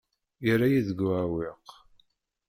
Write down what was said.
Yerra-yi deg uɛewwiq.